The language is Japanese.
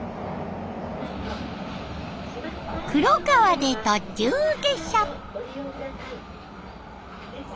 黒川で途中下車。